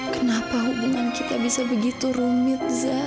kenapa hubungan kita bisa begitu rumit